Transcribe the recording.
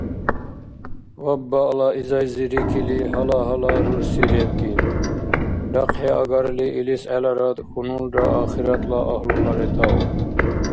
Вабаъла изайзи рикили гьала-гьала рурси ребкӀиб, рахъхӀиагарли илис гӀеларад хьунулра ахиратла агьлула ретаур.